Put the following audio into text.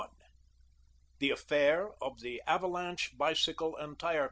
I THE AFFAIR OF THE ''AVALANCHE BICYCLE AND TYBE CO.